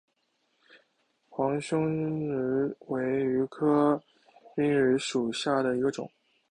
黄胸鹬为鹬科滨鹬属下的一个种。